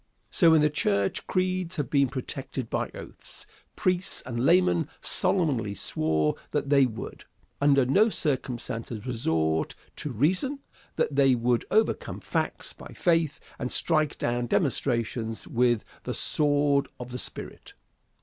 So, in the church, creeds have been protected by oaths. Priests and laymen solemnly swore that they would, under no circumstances, resort to reason; that they would overcome facts by faith, and strike down demonstrations with the "sword of the spirit."